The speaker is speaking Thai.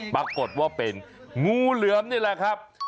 ปรากฏว่าเป็นงูเหลือมนี่แหละครับ